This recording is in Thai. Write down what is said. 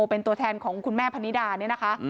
เป็นตัวแทนของคุณแม่พนิดาเนี่ยนะคะ